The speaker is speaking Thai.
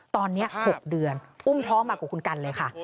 ตอนนี้๖เดือนอุ้มท้องมากว่าคุณกันเลยค่ะ